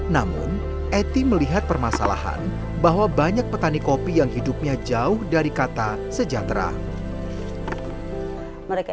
namun eti melihat permasalahan bahwa banyak petani kopi yang hidupnya jauh dari kata sejahtera